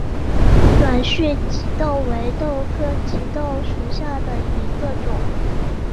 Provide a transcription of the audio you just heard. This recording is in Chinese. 短序棘豆为豆科棘豆属下的一个种。